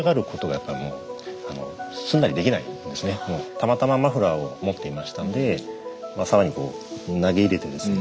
たまたまマフラーを持っていましたんで沢に投げ入れてですね